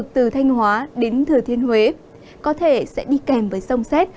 từ thanh hóa đến thừa thiên huế có thể sẽ đi kèm với sông xét